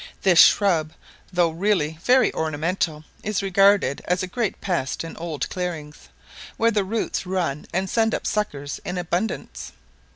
This shrub, though really very ornamental, is regarded as a great pest in old clearings, where the roots run and send up suckers in abundance.